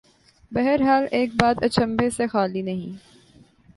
بہرحال ایک بات اچنبھے سے خالی نہیں۔